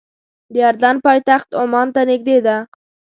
د اردن پایتخت عمان ته نږدې ده.